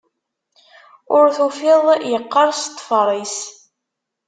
Ur tufiḍ... yeqqers ṭṭfer-is.